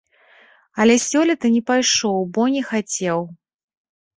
Але сёлета не пайшоў, бо не хацеў.